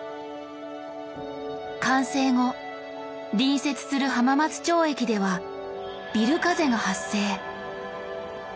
完成後隣接する浜松町駅ではビル風が発生。